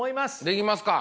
できますか。